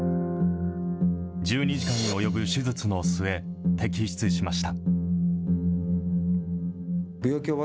１２時間に及ぶ手術の末、摘出しました。